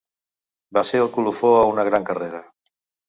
Va ser el colofó a una gran carrera.